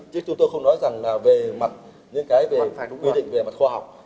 chứ chúng tôi không nói về mặt những quy định về mặt khoa học